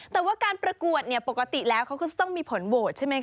แต่ว่าการประกวดเนี่ยปกติแล้วเขาก็จะต้องมีผลโหวตใช่ไหมค